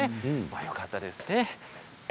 よかったですね。